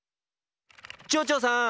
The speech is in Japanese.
ちょうちょうさん！